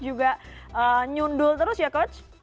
juga nyundul terus ya coach